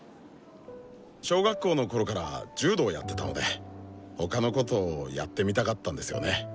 小学校のころから柔道やってたので他のことをやってみたかったんですよね。